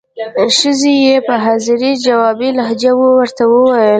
ښځې یې په حاضر جوابه لهجه ورته وویل.